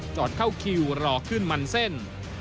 เข้าคิวรอขึ้นมันเส้น